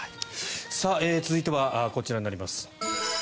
続いては、こちらになります。